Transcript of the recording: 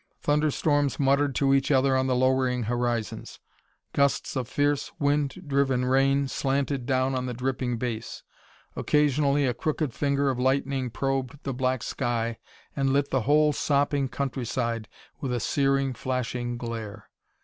Thunderstorms muttered to each other on the lowering horizons; gusts of fierce, wind driven rain slanted down on the dripping base; occasionally a crooked finger of lightning probed the black sky and lit the whole sopping countryside with a searing, flashing glare.